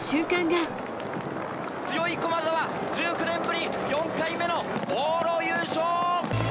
強い駒澤、１９年ぶり４回目の往路優勝！